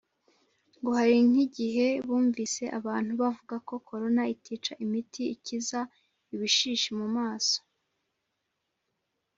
ngo hari nk’igihe bumvise abantu bavuga ko corona itica imiti ikiza ibishishi mu maso,